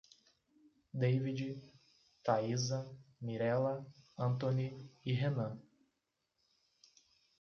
Deivide, Thaisa, Mirella, Antony e Renam